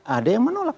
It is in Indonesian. ada yang menolak